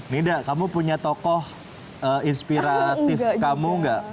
nida kamu punya tokoh inspiratif kamu gak